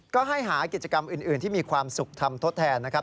ก็ให้หากิจกรรมอื่นที่มีความสุขทำทดแทนนะครับ